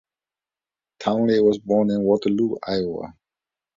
Townley was born in Waterloo, Iowa.